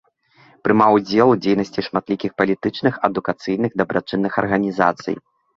Прымаў удзел у дзейнасці шматлікіх палітычных, адукацыйных, дабрачынных арганізацый.